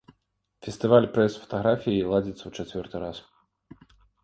Фестываль прэс-фатаграфіі ладзіцца ў чацвёрты раз.